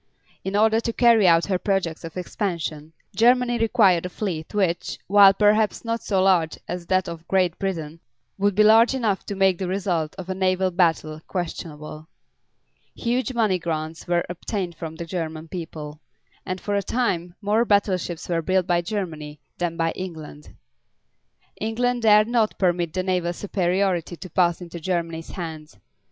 In order to carry out her projects of expansion, Germany required a fleet which, while perhaps not so large as that of Great Britain, would be large enough to make the result of a naval battle questionable. Huge money grants were obtained from the German people, and for a time more battleships were built by Germany than by England. England dared not permit the naval superiority to pass into Germany's hands.